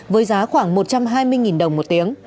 với giá khoảng một trăm hai mươi đồng một tiếng